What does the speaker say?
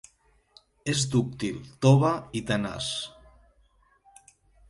És dúctil, tova i tenaç.